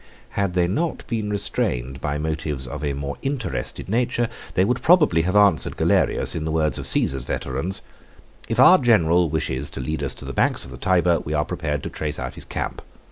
Had they not been restrained by motives of a more interested nature, they would probably have answered Galerius in the words of Cæsar's veterans: "If our general wishes to lead us to the banks of the Tyber, we are prepared to trace out his camp.